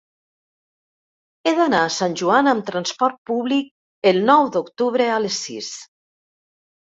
He d'anar a Sant Joan amb transport públic el nou d'octubre a les sis.